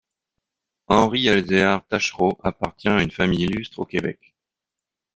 Henri-Elzéar Taschereau appartient à une famille illustre au Québec.